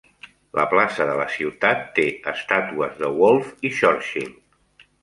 La plaça de la ciutat té estàtues de Wolfe i Churchill.